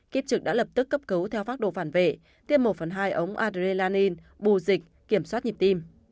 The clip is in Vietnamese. kiếp trực đã lập tức cấp cứu theo phác đồ phản vệ tiêm một phần hai ống adré learni bù dịch kiểm soát nhịp tim